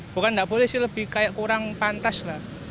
bukan nggak boleh sih lebih kayak kurang pantas lah